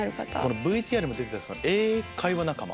ＶＴＲにも出てたんですが「英会話仲間」